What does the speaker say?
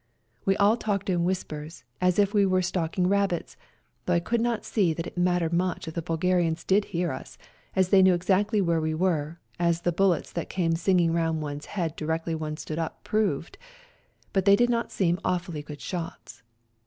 We all talked in whispers, as if we were stalking rabbits, though I could not see that it mattered much if the Bulgarians did hear us, as they knew exactly where we were, as the bullets that came singing round one's head directly one stood up proved, but they did not seem awfully good shots.